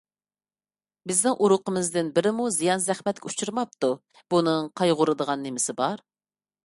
بىزنىڭ ئۇرۇقىمىزدىن بىرىمۇ زىيان - زەخمەتكە ئۇچرىماپتۇ. بۇنىڭ قايغۇرىدىغان نېمىسى بار؟